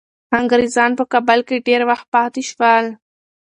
انګریزان په کابل کي ډیر وخت پاتې شول.